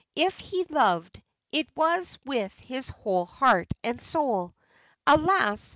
If he loved, it was with his whole heart and soul. Alas!